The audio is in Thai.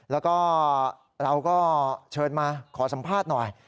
แล้วก็เราก็เชิญมาขอสัมภาษณ์หน่อย